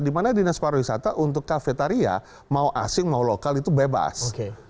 dimana dinas pariwisata untuk cafetaria mau asing mau lokal itu bebas